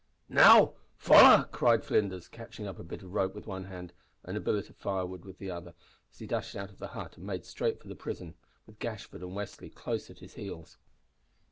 "Now foller!" cried Flinders, catching up a bit of rope with one hand and a billet of firewood with the other, as he dashed out of the hut and made straight for the prison, with Gashford and Westly close at his heels.